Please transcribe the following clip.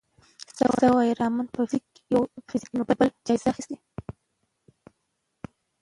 سي وي رامن په فزیک کې نوبل جایزه اخیستې.